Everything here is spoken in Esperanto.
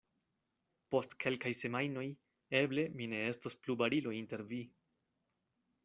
Post kelkaj semajnoj eble mi ne estos plu barilo inter vi.